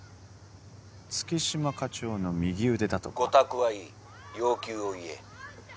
月島課長の右腕だとか御託はいい要求を言え